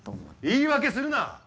言い訳するな！